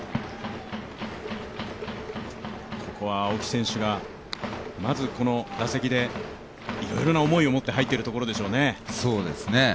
ここは青木選手がまずこの打席でいろいろな思いを持って入っているところでしょうね。